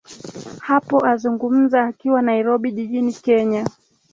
hapo azungumza akiwa nairobi jijini kenya